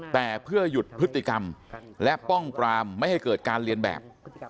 แต่เพื่อหยุดพฤติกรรมและป้องปรามไม่ให้เกิดการเรียนแบบ